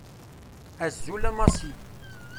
Azul a Massi.